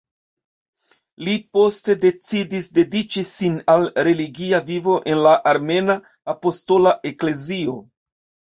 Li poste decidis dediĉi sin al religia vivo en la Armena Apostola Eklezio.